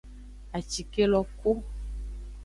Acike lo ku.